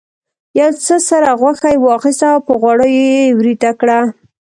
یو څه سره غوښه یې واخیسته او په غوړیو یې ویریته کړه.